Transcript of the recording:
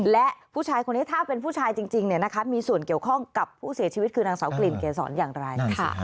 และผู้ชายคนนี้ถ้าเป็นผู้ชายจริงมีส่วนเกี่ยวข้องกับผู้เสียชีวิตคือนางสาวกลิ่นเกษรอย่างไร